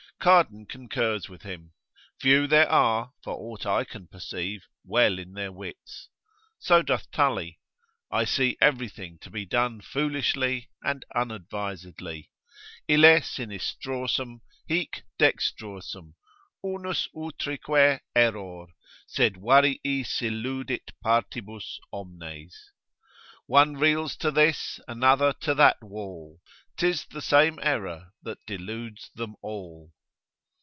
Cardan concurs with him, Few there are (for aught I can perceive) well in their wits. So doth Tully, I see everything to be done foolishly and unadvisedly. Ille sinistrorsum, hic dextrorsum, unus utrique Error, sed variis illudit partibus omnes. One reels to this, another to that wall, 'Tis the same error that deludes them all.